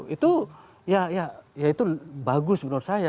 itu ya itu bagus menurut saya